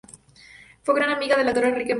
Fue gran amiga del actor Enrique Muiño.